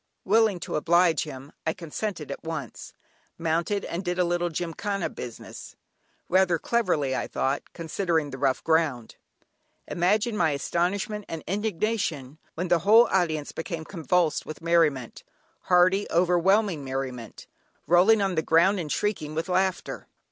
Willing to oblige him, I consented at once, mounted, and did a little "gymkhana business," rather cleverly, I thought, considering the rough ground. Imagine my astonishment and indignation, when the whole audience became convulsed with merriment, hearty, overwhelming merriment, rolling on the ground, and shrieking with laughter.